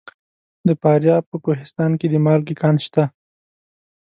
د فاریاب په کوهستان کې د مالګې کان شته.